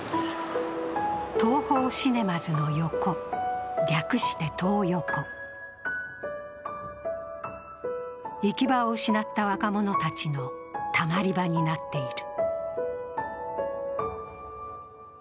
東宝シネマズの横、略してトー横行き場を失った若者たちのたまり場になっている。